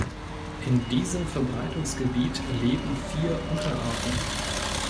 In diesem Verbreitungsgebiet leben vier Unterarten.